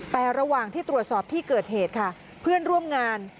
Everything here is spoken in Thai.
แต่ระหว่างที่ตรวจสอบที่เกิดเหตุค่ะเพื่อนร่วมงาน